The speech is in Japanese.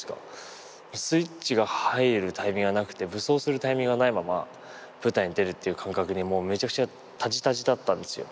スイッチが入るタイミングがなくて武装するタイミングがないまま舞台に出るっていう感覚にもうめちゃくちゃタジタジだったんですよ。